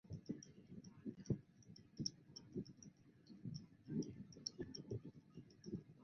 五反田站的铁路车站。